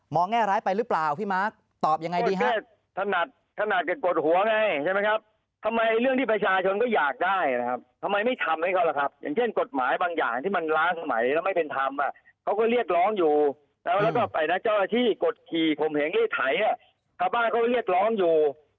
มองแง่ร้ายไปหรือเปล่าพี่มาร์คตอบอย่างไรดีครับ